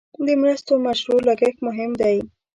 د مرستو مشروع لګښت مهم دی.